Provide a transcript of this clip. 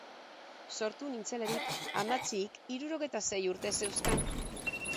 Sortu nintzelarik, amatxik hirurogeita sei urte zeuzkan.